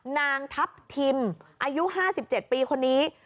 นางทัพทิมอายุ๕๗ปีคนนี้